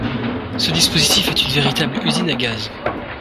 Ce dispositif est une véritable usine à gaz